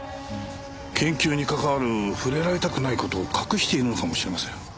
研究に関わる触れられたくない事を隠しているのかもしれません。